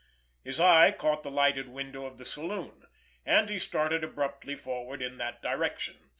His eye caught the lighted window of the saloon, and he started abruptly forward in that direction.